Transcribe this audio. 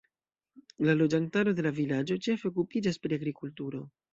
La loĝantaro de la vilaĝo ĉefe okupiĝas pri agrikulturo.